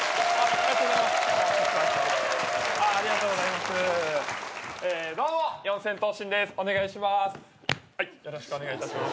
ありがとうございますね。